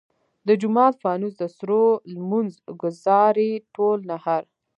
د جومات فانوس د سرو لمونځ ګزار ئې ټول نهر !